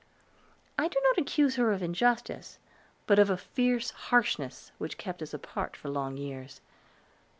I do not accuse her of injustice, but of a fierce harshness which kept us apart for long years.